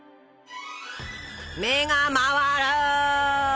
目が回る。